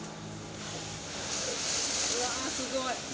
うわすごい。